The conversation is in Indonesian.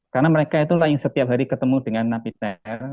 karena mereka itu lain setiap hari ketemu dengan napi ter